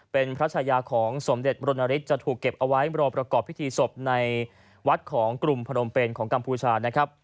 เป็นพระชายาของสมเด็จบรณฤทธิจะถูกเก็บเอาไว้รอประกอบพิธีศพในวัดของกลุ่มพนมเป็นของกัมพูชานะครับ